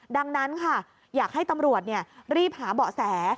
ดังนั้นค่ะอยากให้ตำรวจรีบหาเบาะแส